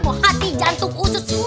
mau hati jantung usut semua ya